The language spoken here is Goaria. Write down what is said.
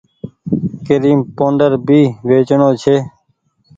ڪريم پوڊر ڀي ويچڻو ڇي۔